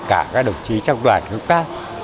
các các đồng chí trong đoàn các các đồng chí trong đoàn